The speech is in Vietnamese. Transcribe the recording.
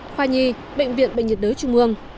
khoa nhi bệnh viện bệnh nhiệt đới trung ương